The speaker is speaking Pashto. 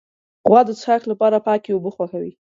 غوا د څښاک لپاره پاکې اوبه خوښوي.